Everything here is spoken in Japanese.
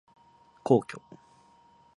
皇居